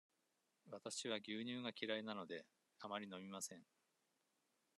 わたしは牛乳が嫌いなので、あまり飲みません。